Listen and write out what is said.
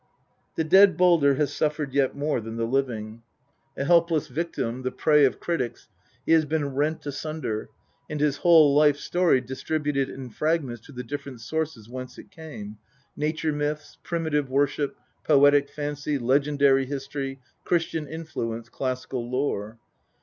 The dead Baldr has suffered yet more than the living. A helpless INTRODUCTION. LXV victim, the prey of critics, he has been rent asunder, and his whole life story distributed in fragments to the different sources whence it came nature myths, primitive worship, poetic fancy, legendary history, Christian influence, classical lore.